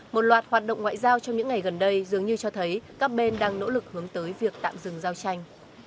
một loạt hoạt động ngoại giao trong những ngày gần đây dường như cho thấy các bên đang nỗ lực hướng tới việc tạm dừng giao tranh